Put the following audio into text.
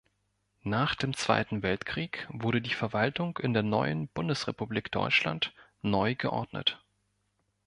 Nach dem Zweiten Weltkrieg wurde die Verwaltung in der neuen Bundesrepublik Deutschland neu geordnet.